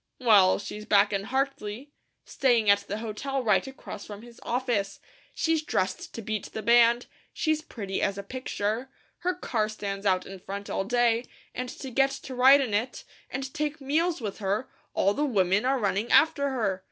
Well, she's back in Hartley, staying at the hotel right across from his office; she's dressed to beat the band, she's pretty as a picture; her car stands out in front all day, and to get to ride in it, and take meals with her, all the women are running after her.